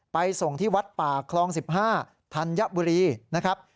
ไปส่งที่วัดป่าคลอง๑๕ธัญบุรีนะครับ